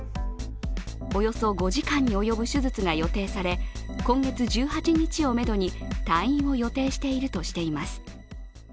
およそ５時間に及ぶ手術が予定され今月１８日をめどに退院を予定しているとしています。